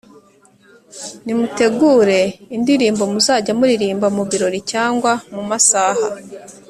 Nimutegure indirimbo muzajya muririmba mu birori cyangwa mu masaha